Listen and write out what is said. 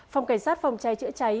phòng cảnh sát phòng chai chữa cháy